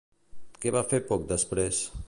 Què va fer poc després?